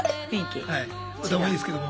歌もいいですけども。